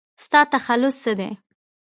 ستا تخلص څه دی ؟